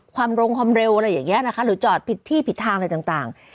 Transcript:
ความลงความเร็วอะไรอย่างนี้นะคะหรือจอดผิดที่ผิดทางอะไรต่าง